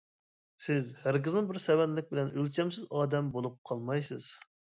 سىز ھەرگىزمۇ بىر سەۋەنلىك بىلەن ئۆلچەمسىز ئادەم بولۇپ قالمايسىز.